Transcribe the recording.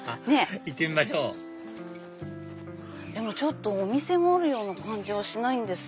行ってみましょうでもお店があるような感じはしないんですよ。